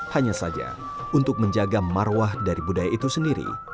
hanya saja untuk menjaga marwah dari budaya itu sendiri